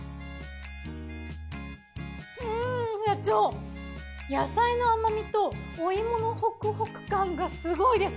うん社長野菜の甘みとお芋のホクホク感がすごいです。